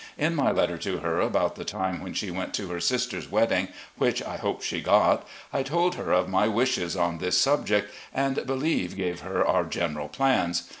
In my letter to her about the time when she went to her sister's wedding, which I hope she got, I told her of my wishes on this subject, and believe gave her our general plans.